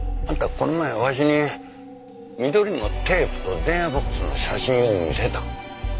この前わしに緑のテープと電話ボックスの写真を見せた。